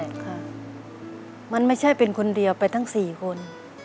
ใช่ค่ะมันไม่ใช่เป็นคนเดียวไปทั้ง๔คน